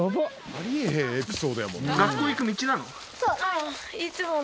あり得へんエピソードやもんな。